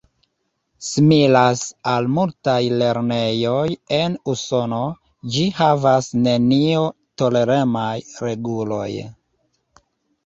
Similas al multaj lernejoj en usono, ĝi havas nenio-toleremaj reguloj.